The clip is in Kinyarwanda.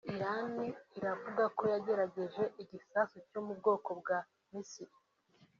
Irani iravuga ko yagerageje igisasu cyo mu bwoko bwa misile